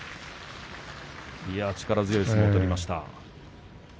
力強い相撲を取りました。